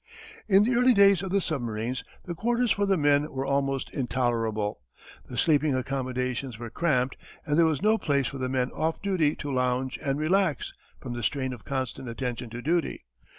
In the early days of the submarines the quarters for the men were almost intolerable. The sleeping accommodations were cramped and there was no place for the men off duty to lounge and relax from the strain of constant attention to duty.